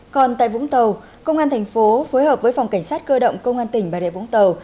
còn tại vũng tàu công an thành phố phối hợp với phòng cảnh sát cơ động công an tỉnh bà rịa vũng tàu